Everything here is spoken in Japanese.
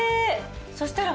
そしたら。